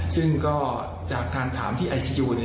ซึ่งก็จากการถามที่ไอซียู